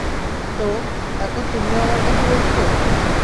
তো, এখন তুমিও আমার কথা বলছ?